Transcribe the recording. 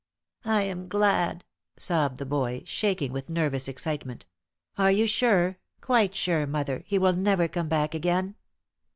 "I am glad," sobbed the boy, shaking with nervous excitement. "Are you sure, quite sure, mother, he will never come back again?"